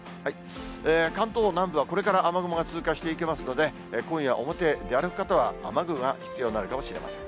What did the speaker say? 関東南部はこれから雨雲が通過していきますので、今夜、表へ出歩く方は雨具が必要になるかもしれません。